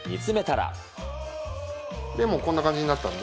こんな感じになったんで。